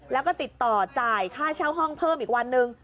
แล้วก็ติดต่อจ่ายค่าเช่าห้องเพิ่มอีกวันหนึ่ง